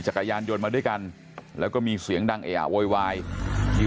จักรยานยนต์มาด้วยกันแล้วก็มีเสียงดังเออะโวยวายอยู่